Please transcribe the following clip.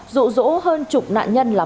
dụ dỗ hơn chục nạn nhân lòng